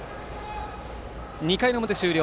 ２回の表終了。